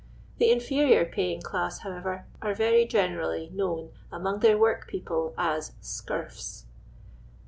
The inferior paying class, however, are very generally known among their work people as " scurfs."